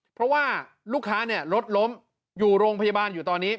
เพราะว่าลูกค้ารถล้มอยู่โรงพยาบาลอยู่ตอนนี้